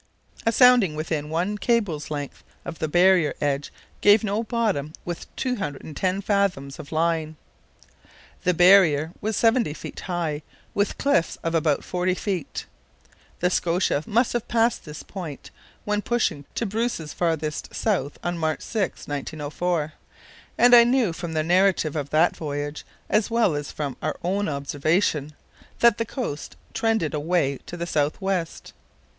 A sounding within one cable's length of the barrier edge gave no bottom with 210 fathoms of line. The barrier was 70 ft. high, with cliffs of about 40 ft. The Scotia must have passed this point when pushing to Bruce's farthest south on March 6, 1904, and I knew from the narrative of that voyage, as well as from our own observation, that the coast trended away to the south west.